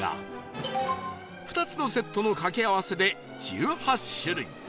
２つのセットの掛け合わせで１８種類